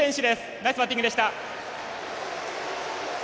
ナイスバッティングでした。